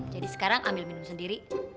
jadi sekarang ambil minum sendiri